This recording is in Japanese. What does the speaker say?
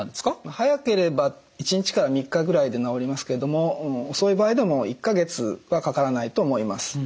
早ければ１日から３日ぐらいで治りますけれども遅い場合でも１か月はかからないと思います。